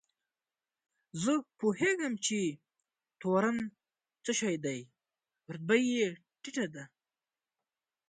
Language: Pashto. زه پوهېږم چې تورن څه شی دی، رتبه یې ټیټه ده.